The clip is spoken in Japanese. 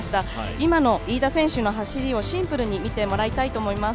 今の飯田選手の走りをシンプルに見てもらいたいと思います。